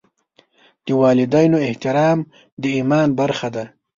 د والدینو احترام د ایمان برخه ده.